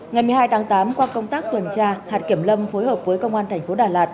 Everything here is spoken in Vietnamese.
ngày một mươi hai tháng tám qua công tác tuần tra hạt kiểm lâm phối hợp với công an thành phố đà lạt